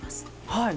はい。